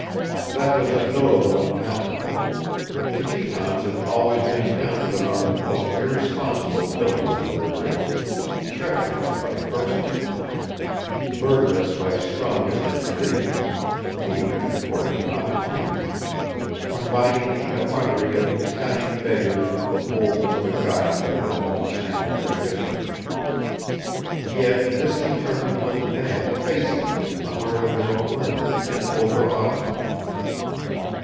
That was a notable encounter. The Tetons have always been counted among the most irresponsible villains of their race, treacherous by first impulse, murderous by strongest inclination, thievish according to opportunity, combining the effrontery of Italian beggars with the boldness begotten by their own sanguinary history. Yet this determined little band faced them in the heart of their own land, and overawed them.